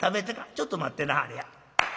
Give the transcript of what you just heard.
ちょっと待ってなはれや」。